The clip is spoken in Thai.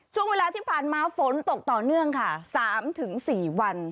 ช่วงเวลาที่ผ่านมาฝนตกต่อเนื่องค่ะ๓๔วัน